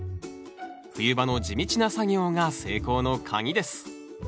冬場の地道な作業が成功のカギです